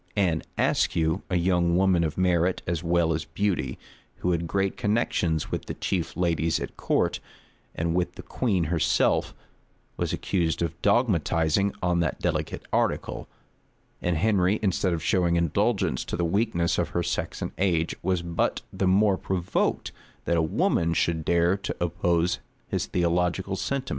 Anne Ascue, a young woman of merit as well as beauty,[] who had great connections with the chief ladies at court, and with the queen herself, was accused of dogmatizing on that delicate article; and Henry, instead of showing indulgence to the weakness of her sex and age, was but the more provoked, that a woman should dare to oppose his theological sentiments.